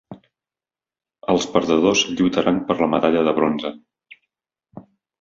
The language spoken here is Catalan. Els perdedors lluitaran per la medalla de bronze.